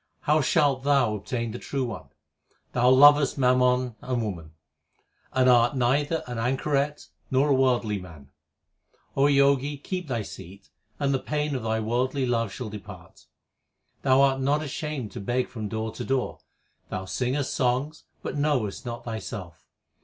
HYMNS OF GURU NANAK 351 Thou lovest mammon and woman, And art neither an anchoret nor a worldly man. Jogi, keep thy seat, 1 and the pain of thy worldly love shall depart. Thou art not ashamed to beg from door to door ; Thou singest songs, but knowest not thyself.